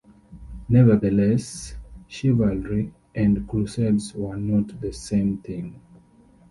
Nevertheless, chivalry and crusades were not the same thing.